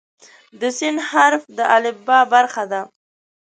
د "س" حرف د الفبا برخه ده.